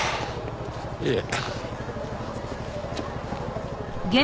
いえ。